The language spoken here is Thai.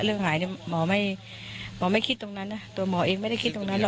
เรื่องหายเนี่ยหมอไม่คิดตรงนั้นนะตัวหมอเองไม่ได้คิดตรงนั้นหรอก